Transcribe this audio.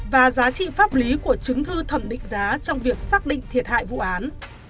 và giá trị pháp lý của chứng thư thẩm định giá trong việc xác định thiệt hại vụ án